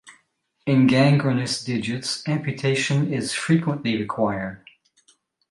In gangrenous digits, amputation is frequently required.